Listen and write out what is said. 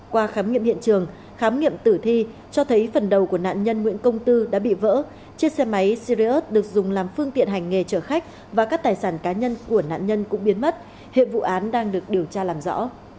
qua khám nghiệm hiện trường khám nghiệm tử thi cho thấy phần đầu của nạn nhân nguyễn công tư đã bị vỡ chiếc xe máy sirius được dùng làm phương tiện hành nghề chở khách và các tài sản cá nhân của nạn nhân cũng biến mất hệ vụ án đang được điều tra làm rõ